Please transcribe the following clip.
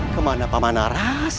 kemana pemanah rasa